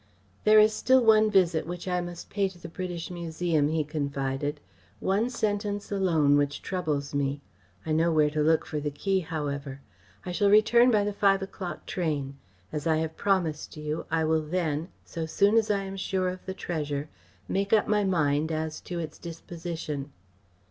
"There is still one visit which I must pay to the British Museum," he confided; "one sentence alone which troubles me. I know where to look for the key, however. I shall return by the five o'clock train. As I have promised you, I will then, so soon as I am sure of the treasure, make up my mind as to its disposition.